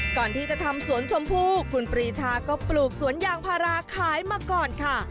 ก่อนที่จะทำสวนชมพู่คุณปรีชาก็ปลูกสวนยางพาราขายมาก่อนค่ะ